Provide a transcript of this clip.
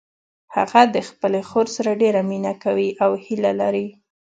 هغه د خپلې خور سره ډیره مینه کوي او هیله لري